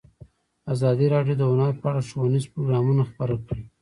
ازادي راډیو د هنر په اړه ښوونیز پروګرامونه خپاره کړي.